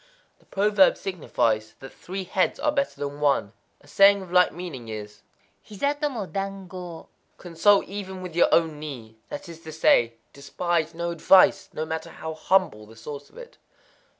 —The proverb signifies that three heads are better than one. A saying of like meaning is,_ Hiza to mo dankō:_ "Consult even with your own knee;" that is to say, Despise no advice, no matter how humble the source of it.